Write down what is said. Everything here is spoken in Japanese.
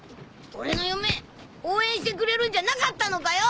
俺の夢応援してくれるんじゃなかったのかよ！